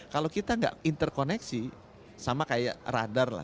kalau kita nggak interkoneksi sama kayak radar lah